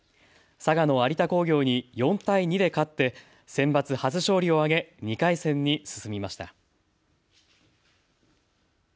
佐賀の有田工業に４対２で勝ってセンバツ初勝利を挙げ２回戦に進みました。